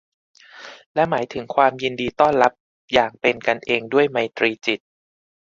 และหมายถึงความยินดีต้อนรับอย่างเป็นกันเองด้วยไมตรีจิต